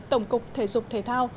tổng cục thể dục thể thao